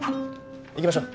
行きましょ